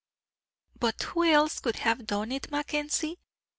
"But who else could have done it, Mackenzie?